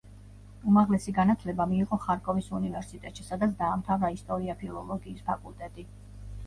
უმაღლესი განათლება მიიღო ხარკოვის უნივერსიტეტში, სადაც დაამთავრა ისტორია-ფილოლოგიის ფაკულტეტი.